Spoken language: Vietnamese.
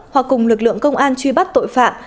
hoặc cùng lực lượng công an truy bắt tội phạm